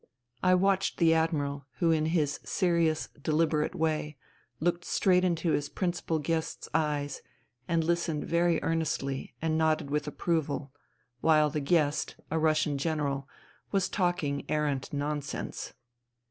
I watched the Admiral who in his serious, deliberate way looked straight into his principal guest's eyes and listened very earnestly and nodded with approval, while the guest, a Russian General, was talking arrant nonsense.